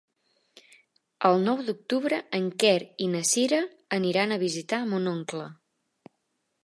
El nou d'octubre en Quer i na Cira aniran a visitar mon oncle.